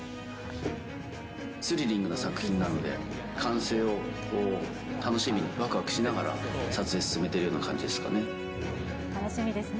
スリリングな作品なので、完成を楽しみに、わくわくしながら撮影進めてるような感じですか楽しみですね。